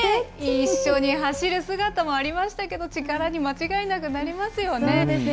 一緒に走る姿もありましたけど、力に間違いなくなりますよね。